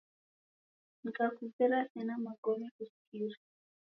Nikakuzera sena magome kuskire.